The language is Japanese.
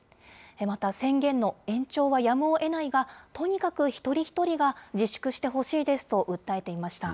また、宣言の延長はやむをえないが、とにかく一人一人が自粛してほしいですと、訴えていました。